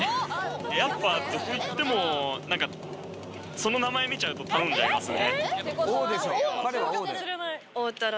やっぱどこ行っても、なんか、その名前見ちゃうと頼んじゃいますね。